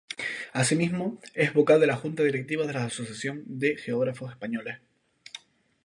Así mismo es vocal de la junta directiva de la Asociación de Geógrafos Españoles.